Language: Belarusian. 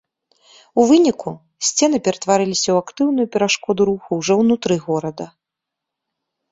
У выніку, сцены ператварыліся ў актыўную перашкоду руху ўжо ўнутры горада.